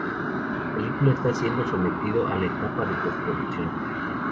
La película está siendo sometido a la etapa de post-producción.